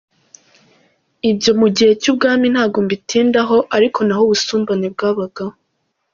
Ibyo mu gihe cy’ubwami ntago mbitindaho ariko naho ubusumbane bwabagaho.